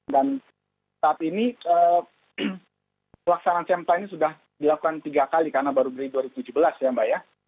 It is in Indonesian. dan saat ini pelaksanaan semta ini sudah dilakukan tiga kali karena baru dari dua ribu tujuh belas ya mbak ya